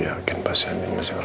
aku masih bercinta sama kamu